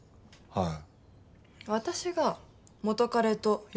はい。